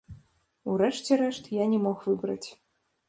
У рэшце рэшт, я не мог выбраць.